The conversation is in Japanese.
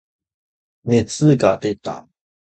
熱が出た。